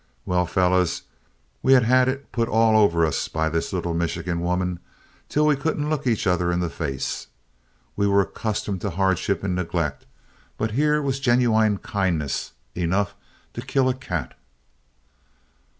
Well, fellows, we had had it put all over us by this little Michigan woman, till we couldn't look each other in the face. We were accustomed to hardship and neglect, but here was genuine kindness enough to kill a cat.